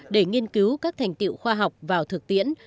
để nghiên cứu các thành tiệu khoa học vào thực tiễn